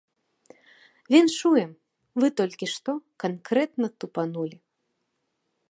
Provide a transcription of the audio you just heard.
Віншуем, вы толькі што канкрэтна тупанулі.